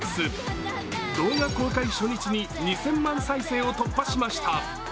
動画公開初日に２０００万再生を突破しました。